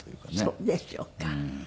そうでしょうか。